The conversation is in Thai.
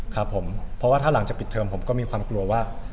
ครับผมเพราะว่าถ้าหลังจากปิดเทอมผมก็มีความกลัวว่า